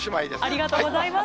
ありがとうございます。